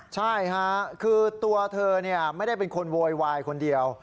ใช่ค่ะคือตัวเธอไม่ได้เป็นคนโวยวายคนเดียว